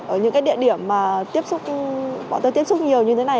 ở những cái địa điểm mà tiếp xúc bọn tôi tiếp xúc nhiều như thế này